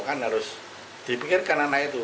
kan harus dipikirkan anak itu